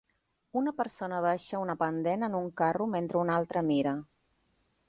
Una persona baixa una pendent en un carro mentre una altra mira.